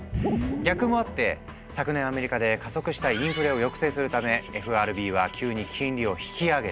逆もあって昨年アメリカで加速したインフレを抑制するためＦＲＢは急に金利を引き上げた。